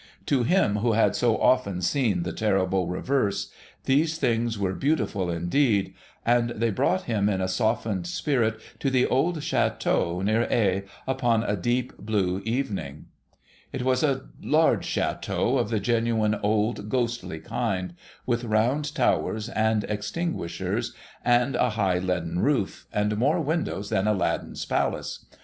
To him who had so often seen the terrible reverse, these things were beautiful indeed ; and they brought him in a softened spirit to the old chateau near Aix upon a deep blue evening. It was a large chateau of the genuine old ghostly kind, with round 8o THE SEVEN POOR TRAVELLERS towers, and extinguishers, and a high leaden roof, and more windows than Aladdin's Palace.